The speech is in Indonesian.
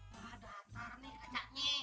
dah datar nih kacanya